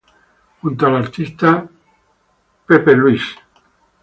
Junto al artista Louis St.